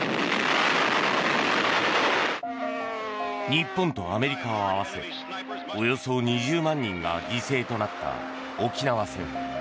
日本とアメリカを合わせおよそ２０万人が犠牲となった沖縄戦。